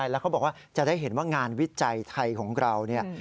แล้วเขาบอกว่าจะได้เห็นว่างานวิจัยไทยของเราเนี่ย